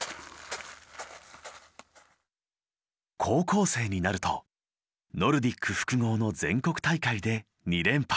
高校生になるとノルディック複合の全国大会で２連覇。